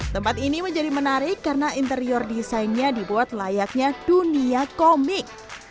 tempat ini menjadi menarik karena interior desainnya dibuat layaknya dunia komik